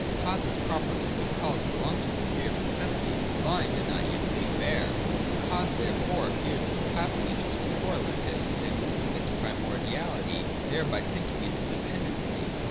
Causes, properly so called, belong to the sphere of necessity, blind, and not yet laid bare. The cause therefore appears as passing into its correlative, and losing its primordiality there by sinking into dependency.